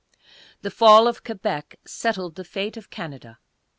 The fall of Quebec settled the fate of Canada.